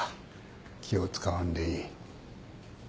気を使わんでいい。